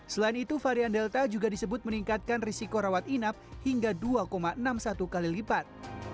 selain itu varian delta juga disebut meningkatkan risiko rawat inap hingga dua enam puluh satu kali lipat